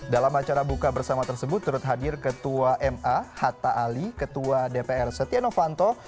dalam acara buka bersama tersebut turut hadir ketua ma hatta ali ketua dpr setia novanto